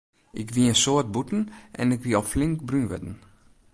Ik wie in soad bûten en ik wie al flink brún wurden.